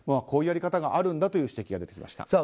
こういうやり方があるんだという指摘が出てきました。